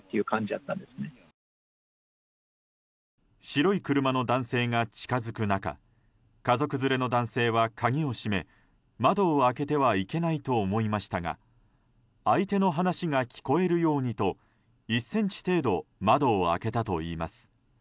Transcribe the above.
白い車の男性が近づく中家族連れの男性は鍵を閉め窓を開けてはいけないと思いましたが相手の話が聞こえるようにと１ｃｍ程度窓を開けたといいます。